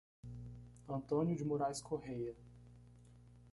Antônio de Moraes Correa